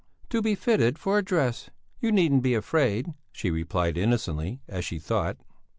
"To be fitted for a dress; you needn't be afraid," she replied, innocently, as she thought.